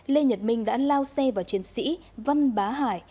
lê nhật minh đã lao xe vào chiến sĩ văn bá hải